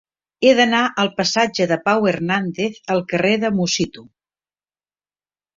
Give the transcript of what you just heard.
He d'anar del passatge de Pau Hernández al carrer de Musitu.